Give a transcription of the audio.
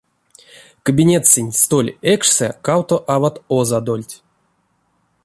Кабинетсэнть столь экшсэ кавто ават озадольть.